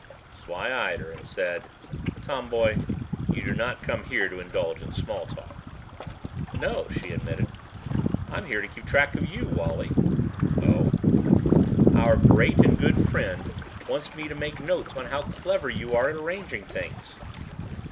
So I eyed her and said, "Tomboy, you did not come here to indulge in small talk." "No," she admitted. "I'm here to keep track of you, Wally." "Oh?" "Our great and good friend wants me to make notes on how clever you are at arranging things."